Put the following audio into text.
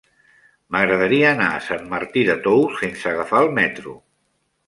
M'agradaria anar a Sant Martí de Tous sense agafar el metro.